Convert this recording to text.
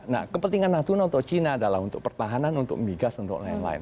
nah kepentingan natuna untuk cina adalah untuk pertahanan untuk migas untuk lain lain